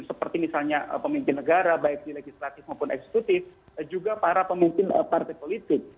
seperti misalnya pemimpin negara baik di legislatif maupun eksekutif juga para pemimpin partai politik